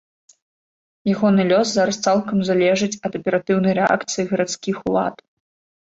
Ягоны лёс зараз цалкам залежыць ад аператыўнай рэакцыі гарадскіх улад.